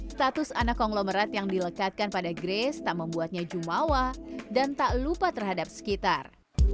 status anak konglomerat yang dilekatkan pada grace tak membuatnya jumawa dan tak lupa terhadap sekitar